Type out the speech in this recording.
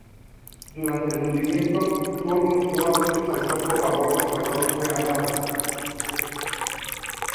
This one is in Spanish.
Durante el hundimiento, Turner nuevamente saltó por la borda salvándose a nado.